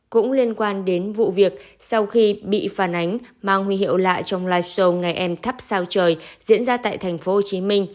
cũng liên quan đến vụ việc sau khi bị phản ánh mang huy hiệu lạ trong live show ngày em thắp sao trời diễn ra tại tp hcm